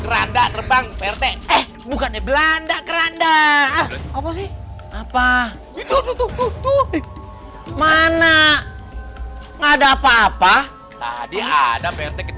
terbang terbang percaya bukan belanda keranda apa sih apa itu tuh mana ada apa apa tadi ada